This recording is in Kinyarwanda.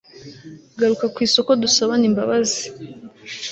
garuka ku isoko dusabane imbabazi